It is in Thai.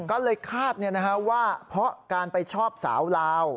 ก็เลยคาดว่าเพราะการไปชอบสาวลาว